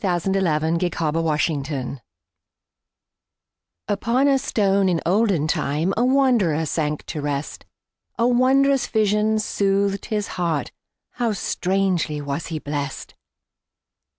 Isaacs Pillow and Stone UPON a stone in olden timeA wanderer sank to rest.A wondrous vision soothed his heartHow strangely was he blessed!